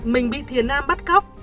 mình bị thiền am bắt cóc